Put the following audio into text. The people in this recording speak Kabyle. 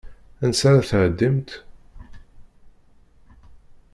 Ansa ara tɛeddimt?